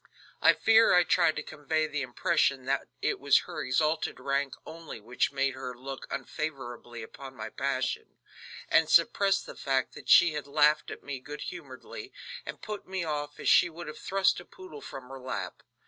I fear I tried to convey the impression that it was her exalted rank only which made her look unfavorably upon my passion, and suppressed the fact that she had laughed at me good humoredly, and put me off as she would have thrust a poodle from her lap.